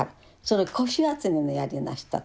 その古紙集めもやりました。